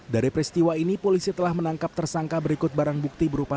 dari peristiwa ini polisi telah menangkap tersangka berikut barang bukti berupa